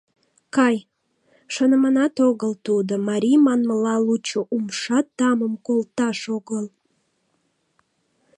Кай, шоныманат огыл тудо, марий манмыла, лучо умша тамым колташ огыл!